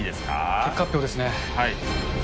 結果発表ですね。